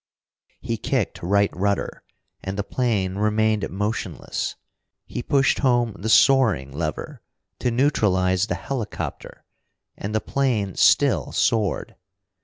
He kicked right rudder, and the plane remained motionless. He pushed home the soaring lever, to neutralize the helicopter and the plane still soared.